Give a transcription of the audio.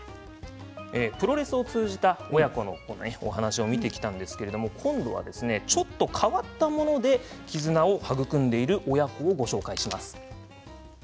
プロレスを通じた親子の話を見てきましたが今度は、ちょっと変わったもので絆を育んでいる親子をご紹介します。